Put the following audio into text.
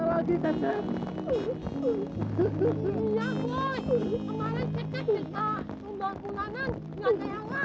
rumah pulangan tidak ada yang lahas sih boy